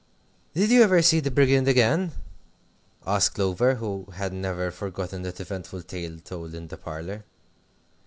"Did you ever see the Brigand again?" asked Clover, who had never forgotten that eventful tale told in the parlor.